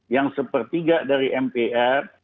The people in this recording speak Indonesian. yang sepertiga dari mpr